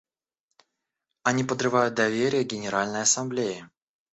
Они подрывают доверие к Генеральной Ассамблее.